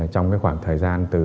trong khoảng thời gian từ